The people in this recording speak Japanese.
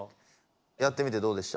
やってみてどうでした？